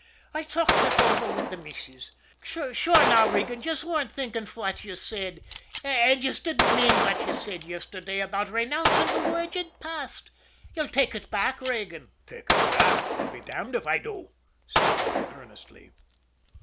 "I talked ut over wid the missus. Sure now, Regan, yez weren't thinkin' fwhat yez said, an' yez didn't mean fwhat yez said yisterday about raynowncin' the word ye'd passed. Yez'll take ut back, Regan?" "Take it back? I'll be damned if I do!" said Regan earnestly.